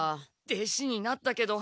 弟子になったけど。